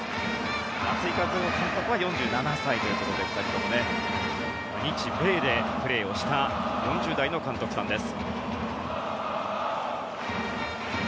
松井稼頭央監督は４７歳ということで、２人とも日米でプレーをした４０代の監督さんです。